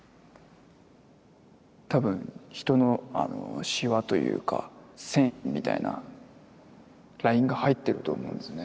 多分人のシワというか線みたいなラインが入ってると思うんですね